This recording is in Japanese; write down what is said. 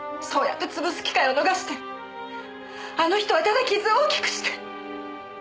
そうやって潰す機会を逃してあの人はただ傷を大きくして！